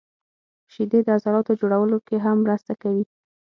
• شیدې د عضلاتو جوړولو کې هم مرسته کوي.